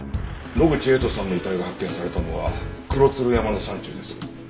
野口栄斗さんの遺体が発見されたのは黒鶴山の山中です。